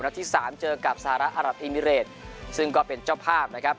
และที่๓เจอกับสหรัฐอัลหรัฐอิมิเรตซึ่งก็เป็นเจ้าภาพนะครับ